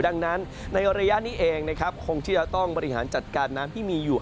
ดังนั้นในระยะนี้เองนะครับคงที่จะต้องบริหารจัดการน้ำที่มีอยู่